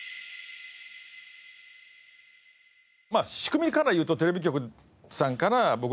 仕組みからいうとテレビ局さんから僕らが。